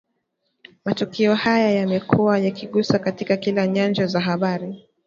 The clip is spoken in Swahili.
Matukio haya yamekua yakigusa katika kila nyanja ya habari